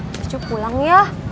cucu pulang ya